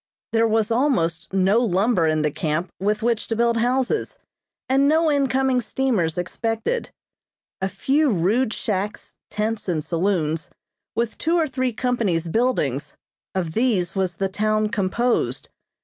There was almost no lumber in the camp with which to build houses, and no incoming steamers expected. A few rude shacks, tents and saloons, with two or three companies' buildings of these was the town composed.